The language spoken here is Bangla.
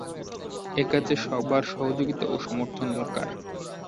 একাজে সবার সহযোগিতা ও সমর্থন দরকার।